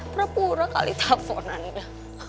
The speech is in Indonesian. pura pura kali telfonannya